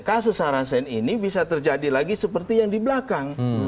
kasus sarasen ini bisa terjadi lagi seperti yang di belakang